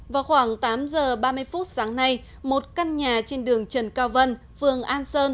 vào khoảng tám giờ ba mươi phút sáng nay một căn nhà trên đường trần cao vân phường an sơn